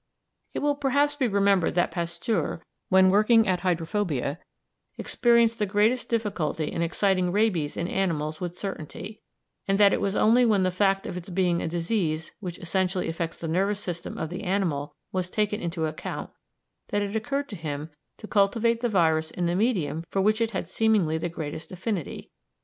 It will perhaps be remembered that Pasteur, when working at hydrophobia, experienced the greatest difficulty in exciting rabies in animals with certainty, and that it was only when the fact of its being a disease which essentially affects the nervous system of the animal was taken into account that it occurred to him to cultivate the virus in the medium for which it had seemingly the greatest affinity, viz.